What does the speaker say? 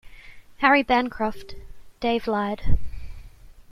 Harry Bancroft, Dave lied.